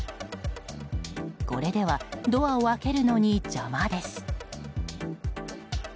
これではドアを開けるのに邪魔です。